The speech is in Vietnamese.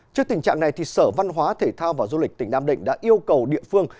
trước tình trạng này sở văn hóa thể thao và du lịch tỉnh nam định đã yêu cầu địa phương